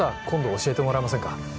今度教えてもらえませんか？